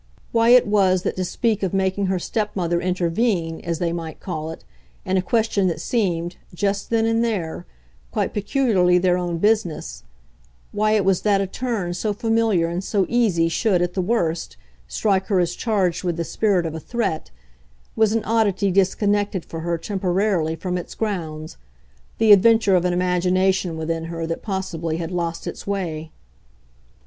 Why it was that to speak of making her stepmother intervene, as they might call it, in a question that seemed, just then and there, quite peculiarly their own business why it was that a turn so familiar and so easy should, at the worst, strike her as charged with the spirit of a threat, was an oddity disconnected, for her, temporarily, from its grounds, the adventure of an imagination within her that possibly had lost its way.